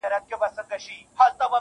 چي ته نه يې زما په ژونــــد كــــــي_